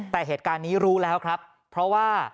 แต่เหตุการณ์นี้รู้แล้วครับเพราะว่า